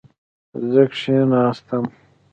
زه کښېناستم